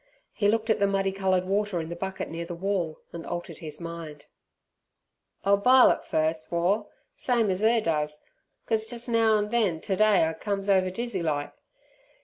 He looked at the muddy coloured water in the bucket near the wall, and altered his mind. "I'll bile it first, War, same as 'er does, cos jus' neow an' then t' day I comes over dizzy like.